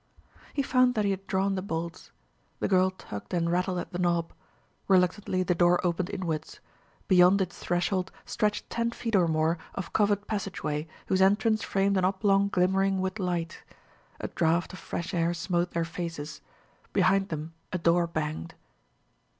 He found that he had drawn the bolts. The girl tugged and rattled at the knob. Reluctantly the door opened inwards. Beyond its threshold stretched ten feet or more of covered passageway, whose entrance framed an oblong glimmering with light. A draught of fresh air smote their faces. Behind them a door banged.